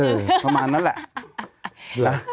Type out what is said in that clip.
ประมาณนั้นแหละ